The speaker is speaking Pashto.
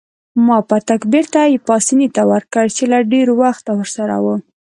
ما پتک بیرته پاسیني ته ورکړ چې له ډیر وخته ورسره وو.